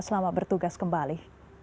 selamat bertugas kembali